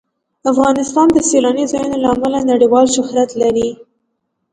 افغانستان د سیلاني ځایونو له امله نړیوال شهرت لري.